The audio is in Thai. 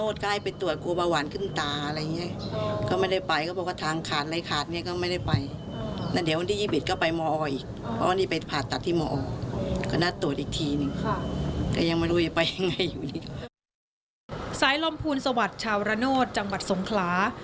สายลำพูนสวัสดิ์ชาวระโนธจังหวัดสงขลา